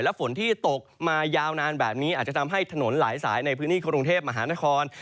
ฝนที่ตกมายาวนานแบบนี้อาจจะทำให้ถนนหลายสายในพื้นที่กรุงเทพมหานคร